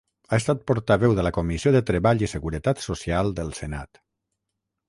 Ha estat portaveu de la Comissió de Treball i Seguretat Social del Senat.